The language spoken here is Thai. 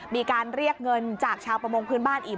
มีการเรียกเงินจากชาวประมงพื้นบ้านอีก